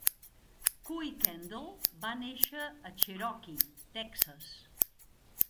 Kuykendall va néixer a Cherokee (Texas).